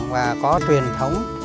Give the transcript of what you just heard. và có truyền thống